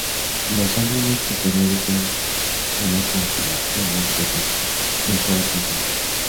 Los álbumes posteriores son solo compilaciones de sus mejores canciones.